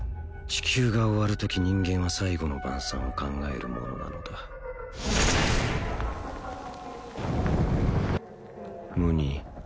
地球が終わるとき人間は最後の晩さんを考えるものなのだムニ